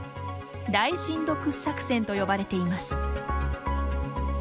大深度掘削泉と呼ばれています。